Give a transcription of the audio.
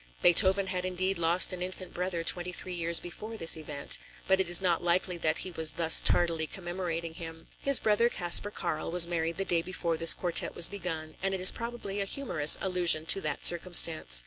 ] Beethoven had indeed lost an infant brother twenty three years before this event, but it is not likely that he was thus tardily commemorating him. His brother Kaspar Karl was married the day before this quartet was begun and it is probably a humorous allusion to that circumstance.